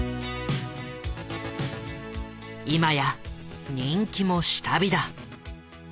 今や人気も下火だ。